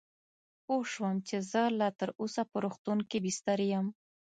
پوه شوم چې زه لا تراوسه په روغتون کې بستر یم.